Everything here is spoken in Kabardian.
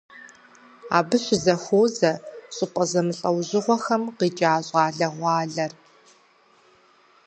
Абы щызэхуозэ щӏыпӏэ зэмылӏэужьыгъуэхэм къикӏа щӏалэгъуалэр.